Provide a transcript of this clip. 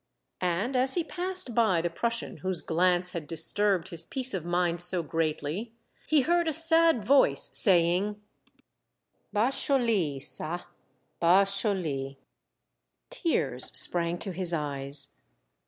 And as he passed by the Prussian whose glance had disturbed his peace of mind so greatly, he heard a sad voice saying, —" Bas choliy qa. Bas choli!^ ^ Tears sprang to his eyes.